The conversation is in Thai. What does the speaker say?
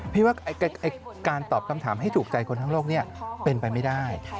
พี่ว่าการตอบคำถามให้ถูกใจคนทั้งโลกเป็นไปไม่ได้